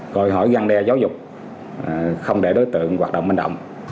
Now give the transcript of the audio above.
rồi hỏi găng đe giáo dục không để đối tượng hoạt động bình động